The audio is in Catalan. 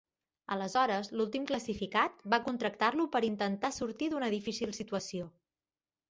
Aleshores l’últim classificat va contractar-lo per intentar sortir d’una difícil situació.